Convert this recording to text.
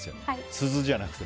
鈴じゃなくて。